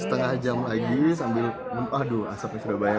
setengah jam lagi sambil aduh asapnya sudah banyak